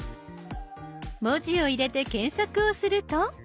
文字を入れて検索をすると。